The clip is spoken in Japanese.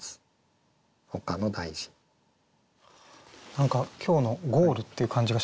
何か今日のゴールっていう感じがしますね。